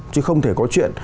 chứ không thể có chuyện